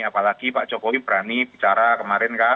apalagi pak jokowi berani bicara kemarin kan